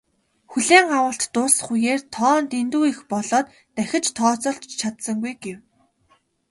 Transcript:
"Хүлээн авалт дуусах үеэр тоо нь дэндүү их болоод дахиж тооцоолж ч чадсангүй" гэв.